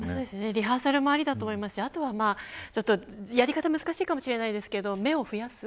リハーサルもありだと思いますしやり方は難しいかもしれませんが目を増やす。